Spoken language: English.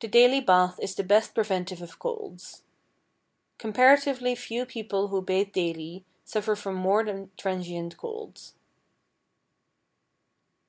The daily bath is the best preventive of colds. Comparatively few people who bathe daily suffer from more than transient colds.